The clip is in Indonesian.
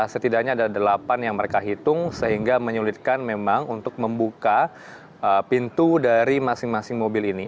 setidaknya ada delapan yang mereka hitung sehingga menyulitkan memang untuk membuka pintu dari masing masing mobil ini